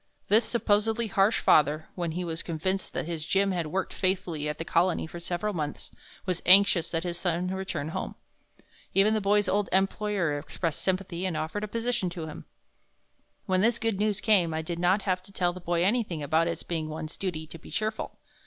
This supposedly harsh father, when he was convinced that his Jim had worked faithfully at the Colony for several months, was anxious that his son return home. Even the boy's old employer expressed sympathy and offered a position to him. When this good news came I did not have to tell the boy anything about its being one's duty to be cheerful.